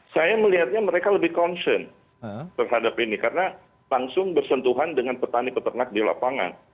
saya melihatnya mereka lebih concern terhadap ini karena langsung bersentuhan dengan petani peternak di lapangan